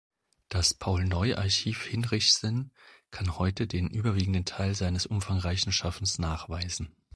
Das Paul-Neu-Archiv Hinrichsen kann heute den überwiegenden Teil seines umfangreichen Schaffens nachweisen.